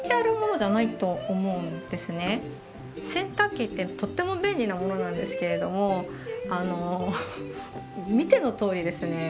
洗濯機ってとっても便利なものなんですけれども見てのとおりですね